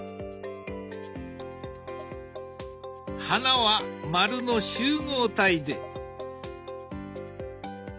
花は丸の集合体で。